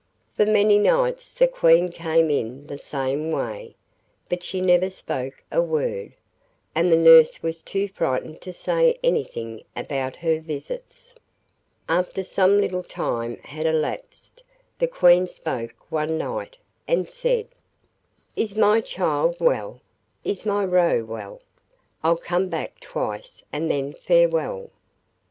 For many nights the Queen came in the same way, but she never spoke a word, and the nurse was too frightened to say anything about her visits. After some little time had elapsed the Queen spoke one night, and said: 'Is my child well? Is my Roe well? I'll come back twice and then farewell.